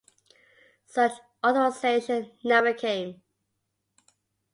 Such authorization never came.